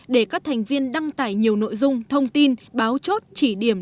để các thành viên đăng tải nhiều nội dung thông tin báo chốt chỉ điểm